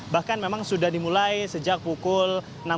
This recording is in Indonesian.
bahkan memang sudah dimulai sejak pukul enam belas